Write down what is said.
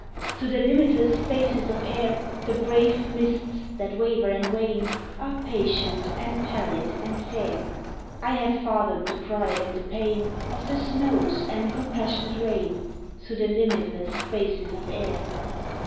Thro' the limitless spaces of air The brave mists that waver and wane Are patient and pallid and fair. I have fathomed the pride and the pain Of the snows and compassionate rain Thro' the limitless spaces of air.